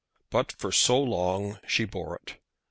But for so long she bore it.